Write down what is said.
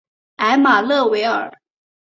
埃马勒维尔。